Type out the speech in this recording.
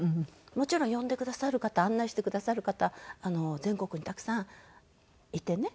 もちろん呼んでくださる方案内してくださる方全国にたくさんいてね。